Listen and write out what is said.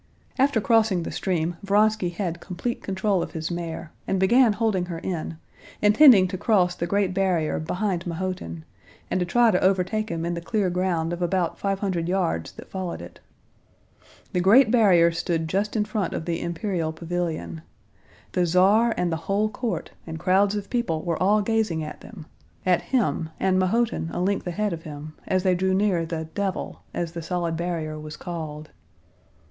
After crossing the stream Vronsky had complete control of his mare, and began holding her in, intending to cross the great barrier behind Mahotin, and to try to overtake him in the clear ground of about five hundred yards that followed it. The great barrier stood just in front of the imperial pavilion. The Tsar and the whole court and crowds of people were all gazing at them—at him, and Mahotin a length ahead of him, as they drew near the "devil," as the solid barrier was called.